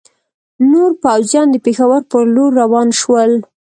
نور پوځیان د پېښور پر لور روان شول.